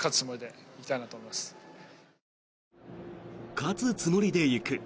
勝つつもりで行く。